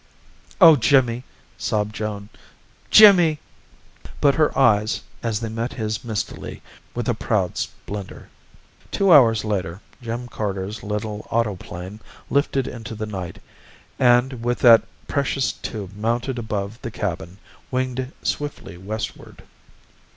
"Oh, Jimmy!" sobbed Joan. "Jimmy!" But her eyes, as they met his mistily, were lit with a proud splendor. Two hours later, Jim Carter's little auto plane lifted into the night, and, with that precious tube mounted above the cabin, winged swiftly westward.